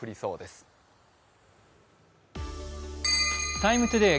「ＴＩＭＥ，ＴＯＤＡＹ」